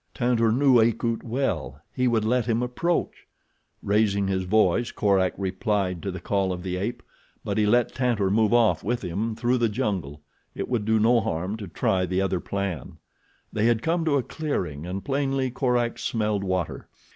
Tantor knew Akut well. He would let him approach." Raising his voice Korak replied to the call of the ape; but he let Tantor move off with him through the jungle; it would do no harm to try the other plan. They had come to a clearing and plainly Korak smelled water.